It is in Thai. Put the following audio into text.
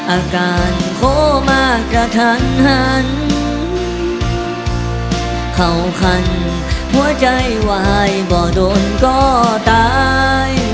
อาการโคมากระทันหันเข้าคันหัวใจวายบ่อโดนก็ตาย